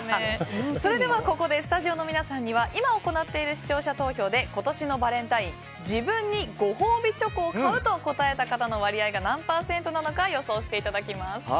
それでは、ここでスタジオの皆さんには今、行っている視聴者投票で今年のバレンタイン自分にご褒美チョコを買うと答えた方の割合が何パーセントなのか予想していただきます。